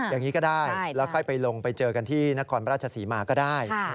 อย่างนี้ก็ได้แล้วค่อยไปลงไปเจอกันที่นครราชศรีมาก็ได้